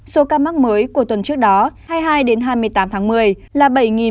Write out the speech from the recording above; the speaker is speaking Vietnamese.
số các mắc mới của tuần trước đó hai mươi hai đến hai mươi tám tháng một mươi là bảy một trăm một mươi một